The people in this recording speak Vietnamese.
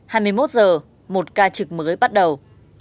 hai mươi một giờ một ca trực mới bắt đầu